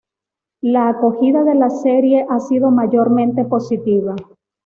La acogida de la serie ha sido mayormente positiva.